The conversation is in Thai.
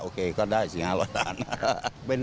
โอเคก็ได้สิงหาร้อยล้าน